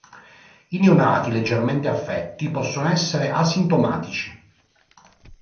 I neonati leggermente affetti possono essere asintomatici.